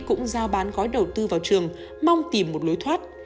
cũng giao bán gói đầu tư vào trường mong tìm một lối thoát